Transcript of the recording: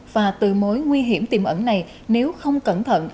và từ mối nguy hiểm tiềm ẩn này nếu không cẩn thận